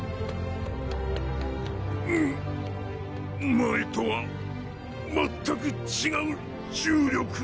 前とは全く違う重力。